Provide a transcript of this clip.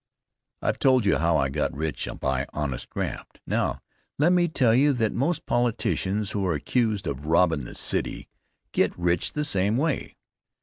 I've told you how I got rich by honest graft. Now, let me tell you that most politicians who are accused of robbin' the city get rich the same way.